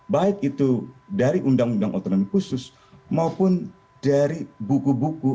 baik itu dari undang undang otonomi khusus maupun dari buku buku